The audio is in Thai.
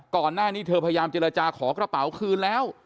ก่อนหน้านี้เธอพยายามเจรจาขอกระเป๋าคืนแล้ว